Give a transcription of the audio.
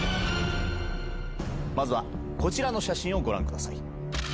まずはこちらの写真をご覧ください。